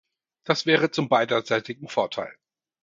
Das wäre zum beiderseitigen Vorteil.